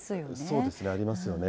そうですね、ありますよね。